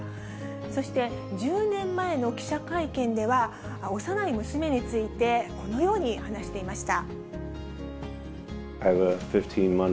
そして１０年前の記者会見では、幼い娘について、このように話していました。